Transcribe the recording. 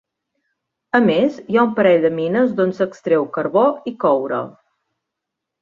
A més, hi ha un parell de mines d'on s'extreu carbó i coure.